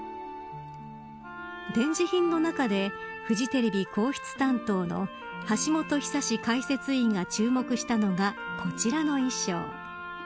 展示品の中でフジテレビ皇室担当の橋本寿史解説委員が注目したのがこちらの衣装。